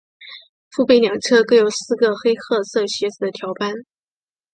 腹背两侧各有四个黑褐色斜着的条斑。